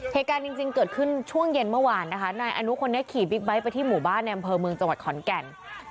เหตุการณ์จริงเกิดขึ้นช่วงเย็นเมื่อวานนะคะนายอนุคนนี้ขี่บิ๊กไบท์ไปที่หมู่บ้านในอำเภอเมืองจังหวัดขอนแก่น